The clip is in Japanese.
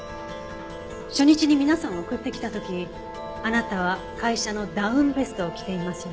初日に皆さんを送ってきた時あなたは会社のダウンベストを着ていますよね？